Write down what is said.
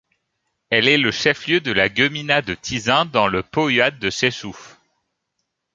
Elle est le chef-lieu de la gmina de Tyczyn, dans le powiat de Rzeszów.